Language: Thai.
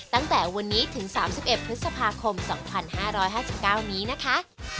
ตั้งแต่วันนี้ถึง๓๑พฤษภาคม๒๕๕๙นี้นะคะ